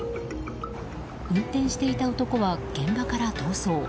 運転していた男は現場から逃走。